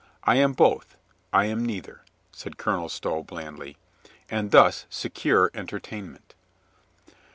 "I am both. I am neither," said Colonel Stow blandly. "And thus secure entertainment."